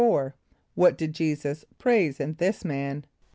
= What did J[=e]´[s+]us praise in this man?